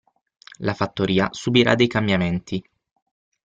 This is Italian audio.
La fattoria subirà dei cambiamenti.